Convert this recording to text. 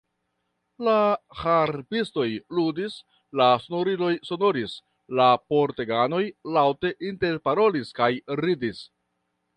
La harpistoj ludis, la sonoriloj sonoris, la korteganoj laŭte interparolis kaj ridis.